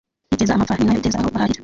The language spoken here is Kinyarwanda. iteza amapfa ninayo iteza aho bahahira